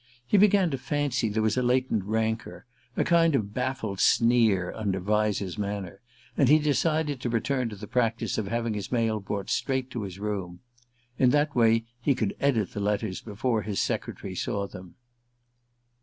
He began to fancy there was a latent rancour, a kind of baffled sneer, under Vyse's manner; and he decided to return to the practice of having his mail brought straight to his room. In that way he could edit the letters before his secretary saw them.